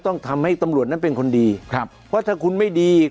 ต้องทำให้ตำรวจนั้นเป็นคนดีครับเพราะถ้าคุณไม่ดี